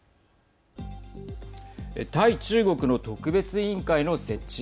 対中国の特別委員会の設置。